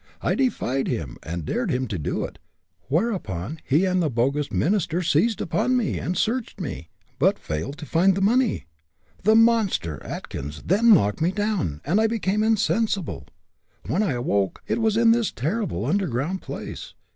I defied him, and dared him to do it, whereupon he and the bogus minister seized upon me, and searched me, but failed to find the money. The monster, Atkins, then knocked me down, and I became insensible. When I awoke, it was in this terrible underground place.